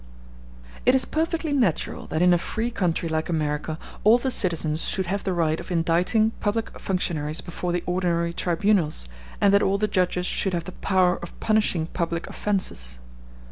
It is perfectly natural that in a free country like America all the citizens should have the right of indicting public functionaries before the ordinary tribunals, and that all the judges should have the power of punishing public offences.